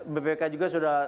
bpk juga sudah